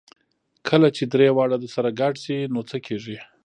کله چې درې واړه سره ګډ شي نو څه کېږي؟